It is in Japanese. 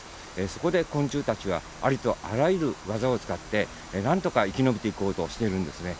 そこで昆虫たちはありとあらゆるワザを使ってなんとか生き延びていこうとしているんですね。